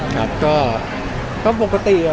ก็ปกติอะครับ